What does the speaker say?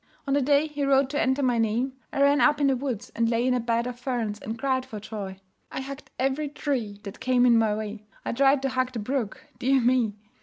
On the day he wrote to enter my name, I ran up in the woods and lay in a bed of ferns and cried for joy. I hugged every tree that came in my way. I tried to hug the brook. Dear me!'